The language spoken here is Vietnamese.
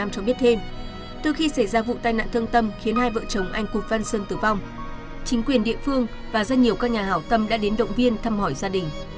chính quyền địa phương và rất nhiều các nhà hảo tâm đã đến động viên thăm hỏi gia đình